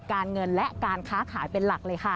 การเงินและการค้าขายเป็นหลักเลยค่ะ